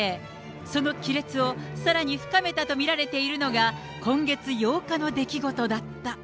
その亀裂をさらに深めたと見られているのが、今月８日の出来事だった。